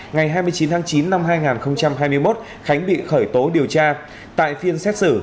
ngày hai mươi chín tháng chín năm hai nghìn hai mươi một khánh bị khởi tố điều tra tại phiên xét xử